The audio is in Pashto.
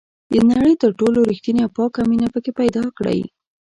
د نړۍ تر ټولو ریښتینې او پاکه مینه پکې پیدا کړئ.